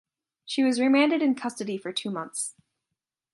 She was remanded in custody for two months.